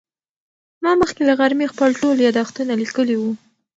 ما مخکې له غرمې خپل ټول یادښتونه لیکلي وو.